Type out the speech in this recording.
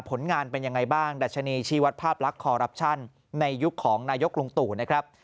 ผลงานเป็นยังไงบ้างดัชนีชีวัตรภาพลักษณ์คอรับชันในยุคของนายกลุงตู่นะครับ